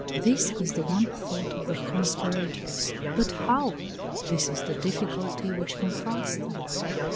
This is the one thought of the conspirators. But how? This is the difficulty which confronts them.